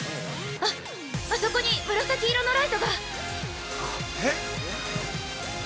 あっ、あそこに紫色のライトが。